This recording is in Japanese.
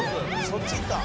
そっち行った？